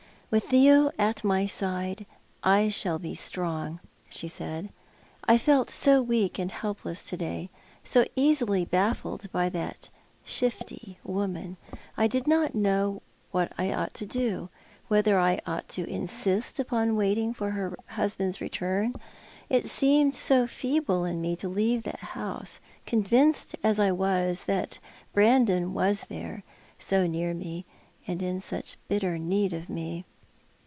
"With you at my side I shall be strong," she said. "I felt so weak and helpless to day, so easily bafBed by that shifty ''Fancies that iniglit be, Facts that arc'' 239 woman. I did not know what I oi:ght to do — whether I ought to insist ujDon waiting for her husband's return. It seemed so feeble in me to leave that house, convinced as I was that Brandon was there, so near me, and in such bitter need of me.